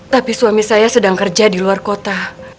tapi suami saya sedang kerja di luar kota